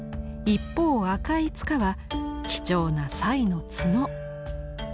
一方赤い柄は貴重なサイの角。